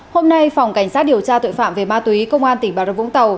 hôm nay phòng cảnh sát điều tra tội phạm về ma túy công an tỉnh bà rập vũng tàu